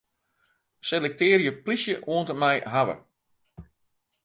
Selektearje 'plysje' oant en mei 'hawwe'.